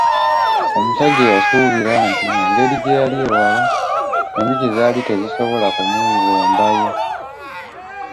Omusajja yasuubira nti engeri gye yali ewala enjuki zaali tezisobola kumulumbayo.